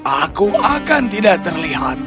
aku akan tidak terlihat